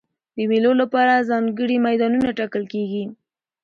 د مېلو له پاره ځانګړي میدانونه ټاکل کېږي.